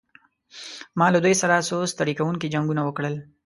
ما له دوی سره څو ستړي کوونکي جنګونه وکړل.